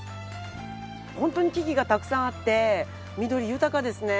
ホントに木々がたくさんあって緑豊かですね。